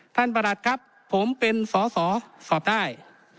ประหลัดครับผมเป็นสอสอสอบได้